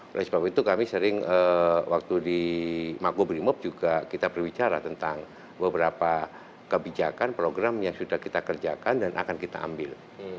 oleh sebab itu kami sering waktu di makobrimob juga kita berbicara tentang beberapa kebijakan program yang sudah kita kerjakan dan akan kita ambil